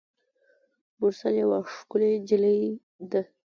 مرسل یوه ښکلي نجلۍ ده.